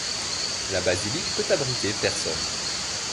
La basilique peut abriter personnes.